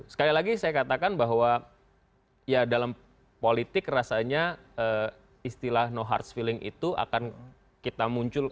sekali lagi saya katakan bahwa ya dalam politik rasanya istilah no hards feeling itu akan kita muncul